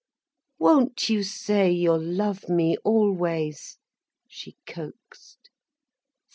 "Won't you say you'll love me always?" she coaxed.